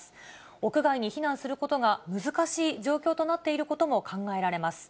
屋外に避難することが難しい状況となっていることも考えられます。